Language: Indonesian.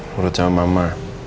nurut sama mama